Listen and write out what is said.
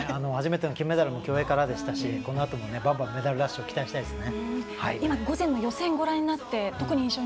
初めての金メダルも競泳からでしたし、このあともバンバン、メダルラッシュ期待したいですね。